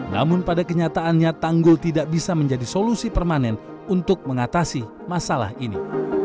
namun pada kenyataannya tanggul tidak bisa menjadi solusi permanen untuk mengatasi masalah ini